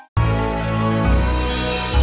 sampai jumpa lagi